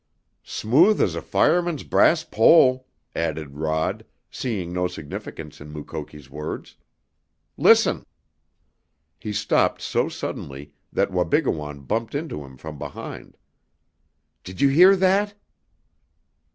"Smooth as a fireman's brass pole," added Rod, seeing no significance in Mukoki's words. "Listen!" He stopped so suddenly that Wabigoon bumped into him from behind. "Did you hear that?"